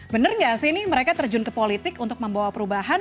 bener gak sih ini mereka terjun ke politik untuk membawa perubahan